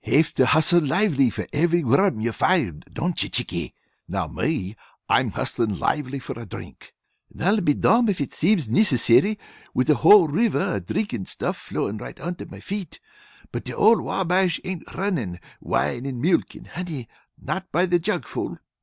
Have to hustle lively for every worm you find, don't you, Chickie? Now me, I'm hustlin' lively for a drink, and I be domn if it seems nicessary with a whole river of drinkin' stuff flowin' right under me feet. But the old Wabash ain't runnin "wine and milk and honey" not by the jug full.